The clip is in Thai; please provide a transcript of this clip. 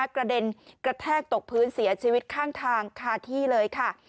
กระเด็นกระแทกตกพื้นเสียชีวิตข้างทางคาที่เลยค่ะ